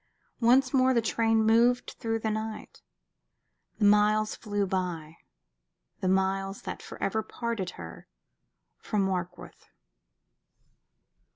Once more the train moved through the night. The miles flew by the miles that forever parted her from Warkworth.